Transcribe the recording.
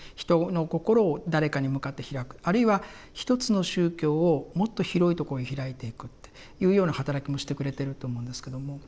人の心を誰かに向かって開くあるいはひとつの宗教をもっと広いところに開いていくっていうような働きもしてくれてると思うんですけども。